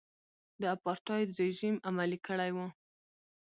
د اپارټایډ رژیم عملي کړی و.